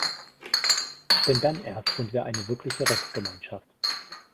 Denn dann erst sind wir eine wirkliche Rechtsgemeinschaft.